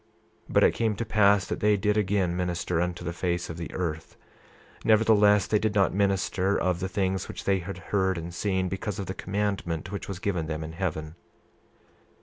28:16 But it came to pass that they did again minister upon the face of the earth; nevertheless they did not minister of the things which they had heard and seen, because of the commandment which was given them in heaven.